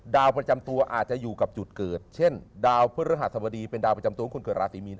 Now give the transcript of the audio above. ดาวประจำตัวอาจจะอยู่กับจุดเกิดเช่นดาวพฤหัสบดีเป็นดาวประจำตัวของคนเกิดราศีมีน